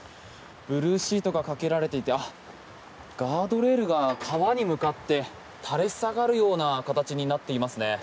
ブルーシートがかけられていてガードレールが川に向かって垂れ下がるような形になっていますね。